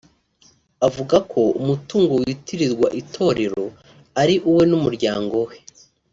avuga ko umutungo witirirwa itorero ari uwe n’umuryango we